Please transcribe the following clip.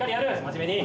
真面目に。